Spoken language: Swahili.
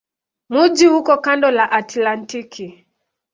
Mji uko kando la Atlantiki.